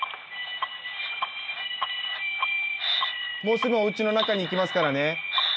☎・もうすぐおうちの中に行きますからね。